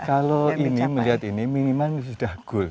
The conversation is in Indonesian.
kalau melihat ini minimalnya sudah gold